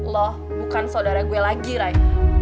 loh bukan saudara gue lagi ray